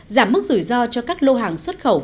giảm mức rủi ro cho các lô hàng xuất khẩu